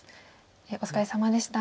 お疲れさまでした。